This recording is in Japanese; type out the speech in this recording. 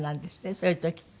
そういう時って。